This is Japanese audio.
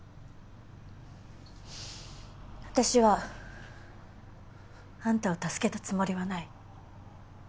私はあんたを助けたつもりはない。